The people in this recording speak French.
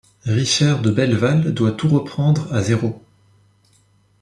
Richer de Belleval doit tout reprendre à zéro.